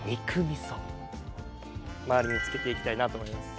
周りに付けていきたいなと思います。